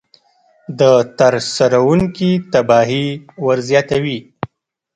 د ترسروونکي تباهي ورزیاتوي.